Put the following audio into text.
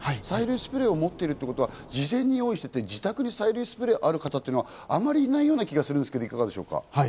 催涙スプレーを持っているということは事前に用意していて自宅に催涙スプレーがある方というのはあまりいない気がするんですけどいかがですか？